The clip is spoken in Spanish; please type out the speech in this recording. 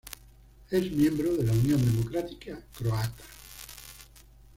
Es miembro de la Unión Democrática Croata.